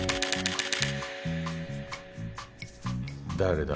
誰だ？